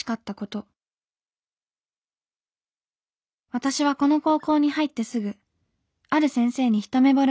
「私はこの高校に入ってすぐある先生にひとめぼれをしました。